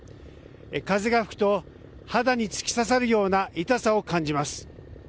風が吹くと肌に突き刺さるような痛さを感じます。